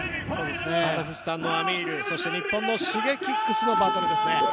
カザフスタン、Ａｍｉｒ、そして日本のＳｈｉｇｅｋｉｘのバトルですね。